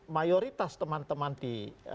mayoritas teman teman di